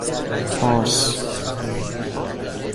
پارس